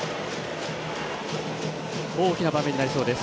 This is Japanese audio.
大きな場面になりそうです。